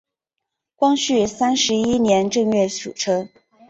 光绪三十一年正月组成。